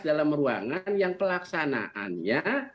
dalam ruangan yang pelaksanaannya